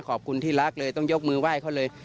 ขอบคุณที่รักเลยต้องยกมือไหว้เขาเลย